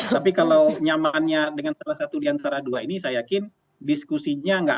tapi kalau nyamannya dengan salah satu diantara dua ini saya yakin diskusinya nggak